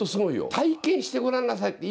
体験してごらんなさいって言いたいわ。